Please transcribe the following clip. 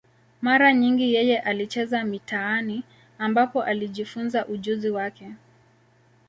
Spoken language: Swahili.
Mara nyingi yeye alicheza mitaani, ambapo alijifunza ujuzi wake.